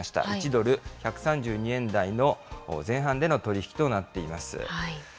１ドル１３２円台の前半での取り引きとなっています。